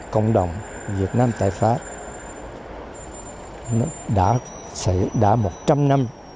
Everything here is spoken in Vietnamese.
cộng đồng việt nam tại pháp đã một trăm linh năm